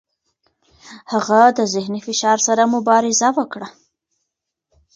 هغه د ذهني فشار سره مبارزه وکړه.